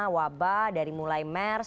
wabah dari mulai mers